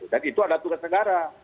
dan itu adalah tugas negara